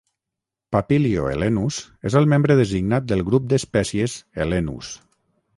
"Papilio helenus" és el membre designat del grup d'espècies "helenus".